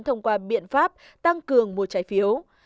thông qua biện pháp tăng cường mua trái phiếu